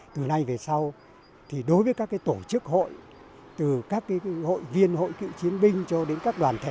từ nay về sau thì đối với các tổ chức hội từ các hội viên hội cựu chiến binh cho đến các đoàn thể